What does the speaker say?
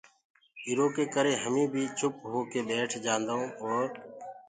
ايٚرو ڪري هميٚنٚ بي چُپ هوڪي ٻيٺ جآنٚدآئونٚ اورَ